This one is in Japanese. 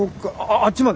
あっちまで？